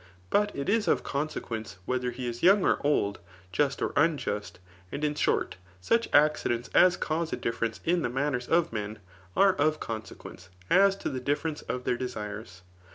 But it is of consequence, whether he is young or old, just or unjust. And in short, such accidents as cause a diflference in the manners of men, are of conse quence [as to the difference of their desires.